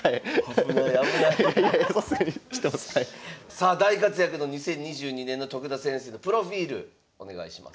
さあ大活躍の２０２２年の徳田先生のプロフィールお願いします。